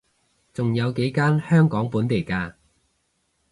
仲有幾間香港本地嘅